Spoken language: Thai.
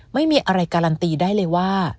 ไม่มีอะไรการันตีได้เลยว่า